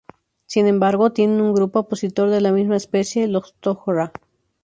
Sin embargo tienen un grupo opositor de la misma especie, los Tok'ra.